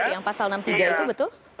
yang pasal enam puluh tiga itu betul